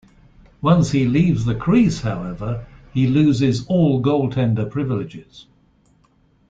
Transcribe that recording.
Once he leaves the crease, however, he loses all goaltender privileges.